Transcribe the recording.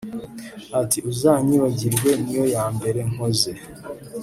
Ati “ Uzanyibagirwe niyo ya mbere nkoze